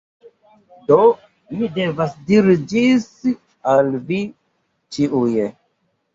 Do, mi devas diri ĝis al vi ĉiuj